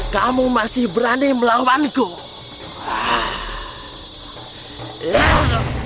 kamu masih berani melawanku